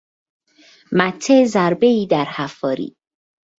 مته ضربه ای درحفاری